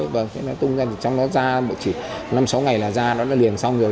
và khi nó tung ra thì trong đó ra chỉ năm sáu ngày là ra nó đã liền xong rồi